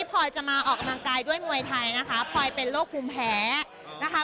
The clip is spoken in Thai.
กำลังกายด้วยมวยไทยนะคะคอยเป็นโรคภูมิแพ้นะคะ